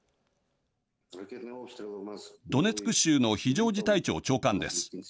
ドネツク州の非常事態庁長官です。